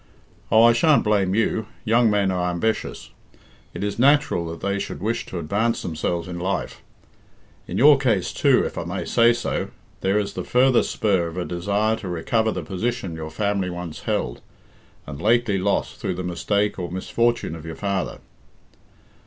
"Oh, I shan't blame you; young men are ambitious. It is natural that they should wish to advance themselves in life. In your case, too, if I may say so, there is the further spur of a desire to recover the position your family once held, and lately lost through the mistake or misfortune of your father."